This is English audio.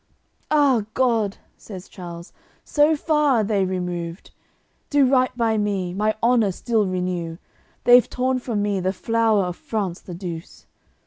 "Ah, God!" says Charles, "so far are they re moved! Do right by me, my honour still renew! They've torn from me the flower of France the Douce."